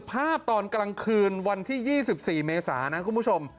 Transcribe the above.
ตอนกลางคืนวันที่๒๔เมษานะคุณผู้ชม